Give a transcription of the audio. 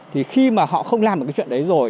thì khi mà họ không làm được cái chuyện đấy rồi